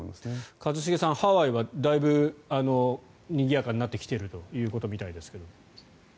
一茂さん、ハワイはかなりにぎやかになっているということですが。